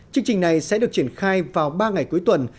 chương trình này sẽ được triển khai vào ba ngày cuối tuần